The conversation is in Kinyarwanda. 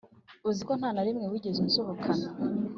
uzi ko ntanarimwe wigeze unsohokana?